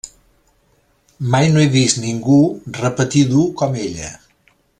Mai no he vist ningú repetir dur com ella.